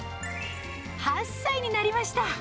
８歳になりました。